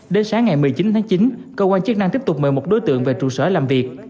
đến sáng ngày một mươi chín tháng chín cơ quan chức năng tiếp tục mời một đối tượng về trụ sở làm việc